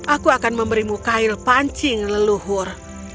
aku akan memberimu kail pancing leluhur